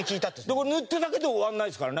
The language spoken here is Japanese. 「これ塗っただけで終わらないですからね」